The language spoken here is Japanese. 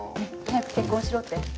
早く結婚しろって？